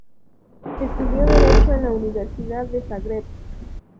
Estudió Derecho en la Universidad de Zagreb.